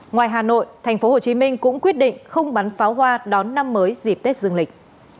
ngoài hà nội tp hcm cũng quyết định không bắn pháo hoa đón năm mới dịp tết dương lịch